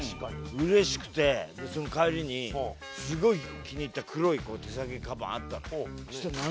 嬉しくてその帰りにすごい気に入った黒い手提げカバンあったの。